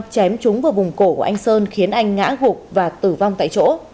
chém trúng vào vùng cổ của anh sơn khiến anh ngã gục và tử vong tại chỗ